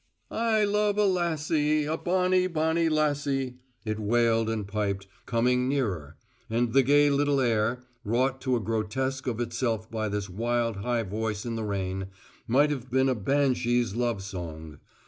"I love a lassie, a bonnie, bonnie lassie," it wailed and piped, coming nearer; and the gay little air wrought to a grotesque of itself by this wild, high voice in the rain might have been a banshee's love song.